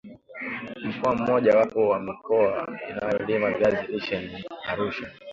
mkoa mmoja wapo wa mikoa inayolima viazi lishe ni Arusha